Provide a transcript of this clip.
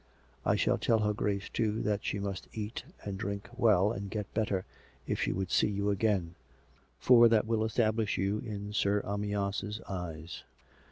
I shall tell her Grace, too, that she must eat and drink well, and get better, if she would see you again, for that will establish you in Sir Amyas' eyes."